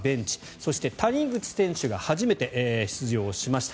そして谷口選手が初めて出場しました。